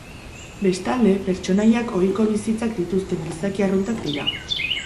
Bestalde, pertsonaiak ohiko bizitzak dituzten gizaki arruntak dira.